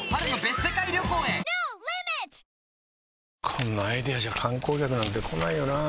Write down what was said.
こんなアイデアじゃ観光客なんて来ないよなあ